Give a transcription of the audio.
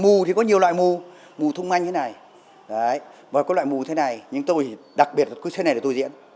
mù thì có nhiều loại mù mù thúc manh như thế này đấy và có loại mù như thế này nhưng tôi đặc biệt là cái xe này là tôi diễn